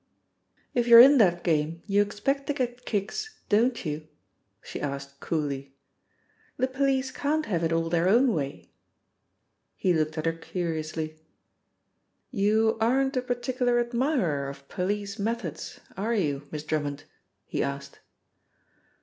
"If you're in that game you expect to get kicks, don't you?" she asked coolly. "The police can't have it all their own way." He looked at her curiously. "You aren't a particular admirer of police methods, are you, Miss Drummond?" he asked.